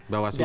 bawah silu ya